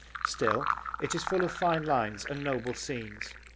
Still, it is full of fine lines and noble scenes.